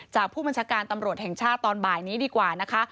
จากผู้บัญชาการตำรวจแห่งชาติตอนบ่ายนี้ดีกว่านะคะ